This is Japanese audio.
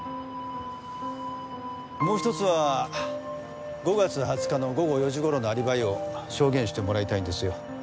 もう１つは５月２０日の午後４時頃のアリバイを証言してもらいたいんですよ。